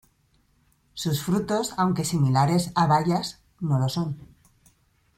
Sus frutos aunque similares a bayas, no lo son.